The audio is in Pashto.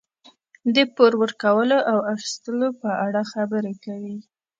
د پور ورکولو او اخیستلو په اړه خبرې کوي.